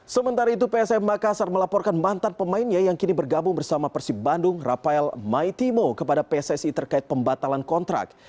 sementara itu psm makassar melaporkan mantan pemainnya yang kini bergabung bersama persib bandung rafael maitimo kepada pssi terkait pembatalan kontrak